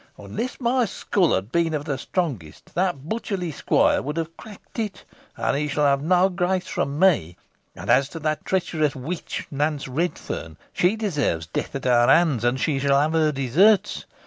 Unless my skull had been of the strongest, that butcherly squire would have cracked it, so he shall have no grace from me; and as to that treacherous witch, Nance Redferne, she deserves death at our hands, and she shall have her deserts.